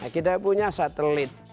kita punya satelit